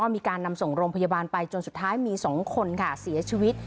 มีการนำส่งโรงพยาบาลไปจนสุดท้ายมี๒คนค่ะเสียชีวิต